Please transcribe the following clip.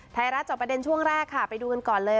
จอบประเด็นช่วงแรกค่ะไปดูกันก่อนเลย